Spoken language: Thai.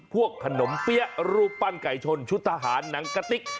ขนมเปี๊ยะรูปปั้นไก่ชนชุดทหารหนังกะติ๊ก